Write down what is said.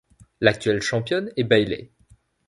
L'actuelle championne est Bayley.